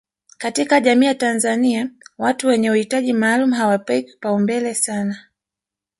katika jamii ya Tanzania watu wenye uhitaji maalum hawapewi kipaumbele sana